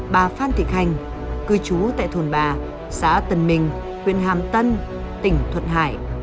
bà phan thị khanh cư trú tại thồn bà xã tân mình huyện hàm tân tỉnh thuận hải